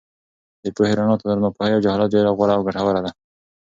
د پوهې رڼا تر ناپوهۍ او جهالت ډېره غوره او ګټوره ده.